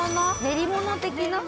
練り物的な？